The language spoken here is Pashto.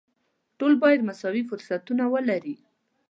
ټول باید مساوي فرصتونه ولري.